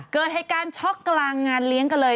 เกิดเหตุการณ์ช็อกกลางงานเลี้ยงกันเลย